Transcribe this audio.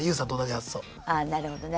ああなるほどね。